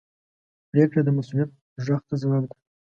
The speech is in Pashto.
پرېکړه د مسؤلیت غږ ته ځواب ده.